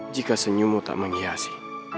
jika senyummu tak menghiasi